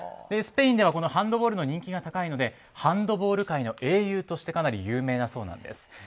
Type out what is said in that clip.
スペインではハンドボールの人気が高いのでハンドボール界の英雄としてかなり有名だそうなんです。